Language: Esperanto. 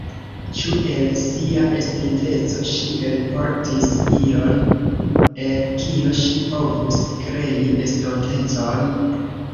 Ĉu el sia estinteco ŝi elportis ion, el kio ŝi povus krei estontecon?